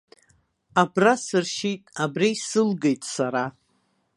Абра сыршьит, абра исылгеит сара.